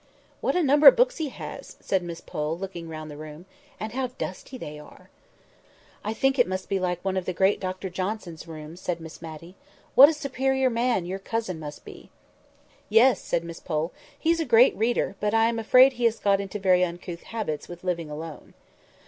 "What a number of books he has!" said Miss Pole, looking round the room. "And how dusty they are!" "I think it must be like one of the great Dr Johnson's rooms," said Miss Matty. "What a superior man your cousin must be!" "Yes!" said Miss Pole, "he's a great reader; but I am afraid he has got into very uncouth habits with living alone."